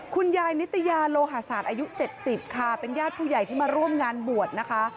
คุณยายนิตยาโลหาศาสตร์อายุ๗๐ค่ะเป็นญาติผู้ใหญ่ที่มาร่วมงานบวชนะคะ